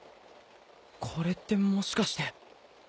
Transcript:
これってもしかして。